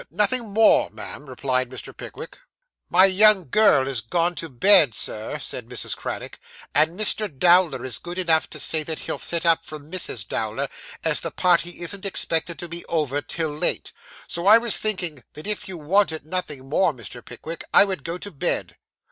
'Nothing more, ma'am,' replied Mr. Pickwick. 'My young girl is gone to bed, Sir,' said Mrs. Craddock; 'and Mr. Dowler is good enough to say that he'll sit up for Mrs. Dowler, as the party isn't expected to be over till late; so I was thinking that if you wanted nothing more, Mr. Pickwick, I would go to bed.